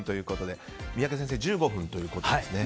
三宅先生１５分ということですね。